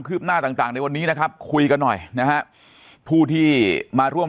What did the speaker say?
หน้าต่างในวันนี้นะครับคุยกันหน่อยนะฮะผู้ที่มาร่วม